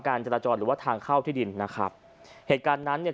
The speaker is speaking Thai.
การจัดจอดหรือว่าทางเข้าที่ดินนะครับเหตุการณ์เนี้ย